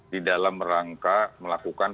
di dalam rangka melakukan